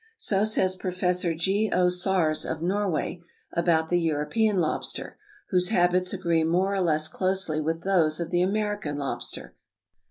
So says Professor G. O. Sars of Norway, about the European lobster, whose habits agree more or less closely with those of the American lobster.